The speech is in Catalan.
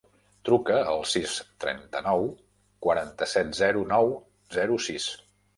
Truca al sis, trenta-nou, quaranta-set, zero, nou, zero, sis.